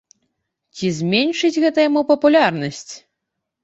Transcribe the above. Ці зменшыць гэта яму папулярнасць?